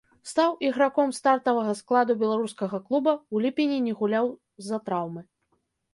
Стаў іграком стартавага складу беларускага клуба, у ліпені не гуляў з-за траўмы.